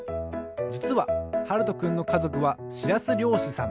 じつははるとくんのかぞくはしらすりょうしさん。